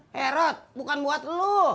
eh rat bukan buat lo